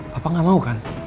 papa gak mau kan